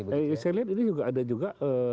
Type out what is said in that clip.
saya lihat ini juga ada juga